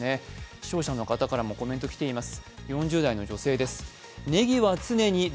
視聴者野方からもコメントきています。